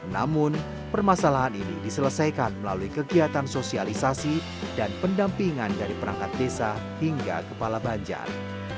namun permasalahan ini diselesaikan melalui kegiatan sosialisasi dan pendampingan dari perangkat desa hingga kepala banjar